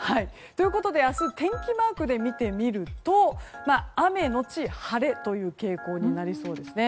明日、天気マークで見てみると雨のち晴れという傾向になりそうです。